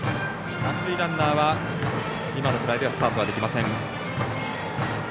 三塁ランナーは今のフライではスタートはできません。